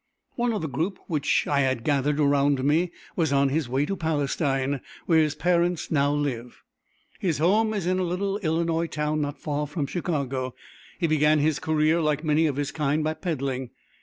One of the group which I had gathered around me was on his way to Palestine where his parents now live. His home is in a little Illinois town not far from Chicago. He began his career like many of his kind, by peddling.